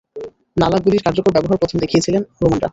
নালা গুলির কার্যকর ব্যবহার প্রথম দেখিয়েছিল রোমানরা।